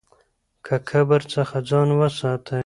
له کبر څخه ځان وساتئ.